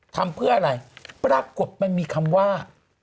ทำเพื่ออะไรปรากฏมันมีคำว่า